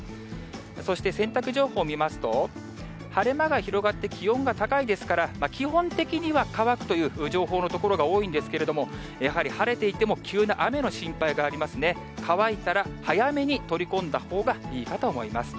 そして、洗濯情報見ますと、晴れ間が広がって気温が高いですから、基本的には乾くという情報の所が多いんですけれども、やはり晴れていても、急な雨の心配がありますね。